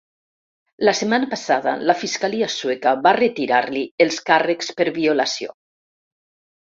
La setmana passada la fiscalia sueca va retirar-li els càrrecs per violació.